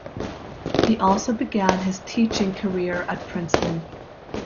He also began his teaching career at Princeton.